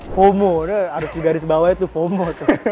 fomo ada di garis bawahnya tuh fomo